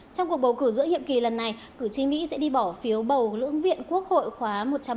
trong cuộc bầu cử giữa nhiệm kỳ lần này cử tri mỹ sẽ đi bỏ phiếu bầu lưỡng viện quốc hội khóa một trăm ba mươi